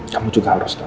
kamu juga harus tahu